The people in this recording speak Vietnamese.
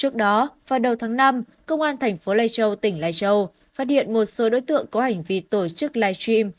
trước đó vào đầu tháng năm công an thành phố lây châu tỉnh lai châu phát hiện một số đối tượng có hành vi tổ chức live stream